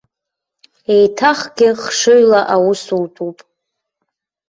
Еиҭахгьы хшыҩла аус утәуп.